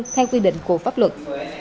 theo quy định của pháp luật